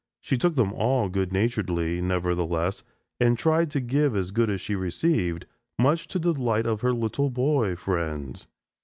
She took them all good naturedly, nevertheless, and tried to give as good as she received, much to the delight of her little boy friends.